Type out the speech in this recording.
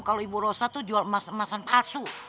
kalau ibu rosa tuh jual emas emasan palsu